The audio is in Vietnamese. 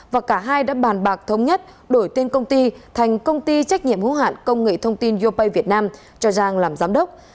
và cả hai đã bàn bạc thống nhất đổi tên công ty thành công ty trách nhiệm hữu hạn công nghệ thông tin yopay việt nam cho giang làm giám đốc